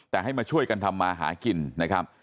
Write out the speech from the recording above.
แต่ให้มาช่วยกันทำมาหากินนะครับ